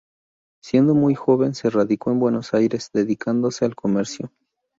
Siendo muy joven se radicó en Buenos Aires, dedicándose al comercio.